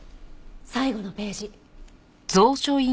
最後のページ。